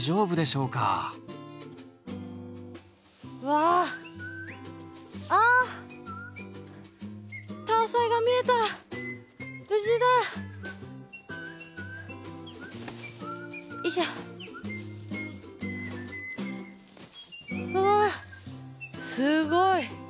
うわすごい！